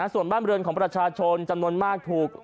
ส่วนบ้านบริเวณของประชาชนจำนวนมากถูก